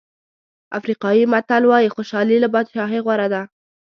افریقایي متل وایي خوشالي له بادشاهۍ غوره ده.